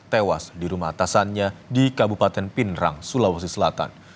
tewas di rumah atasannya di kabupaten pinerang sulawesi selatan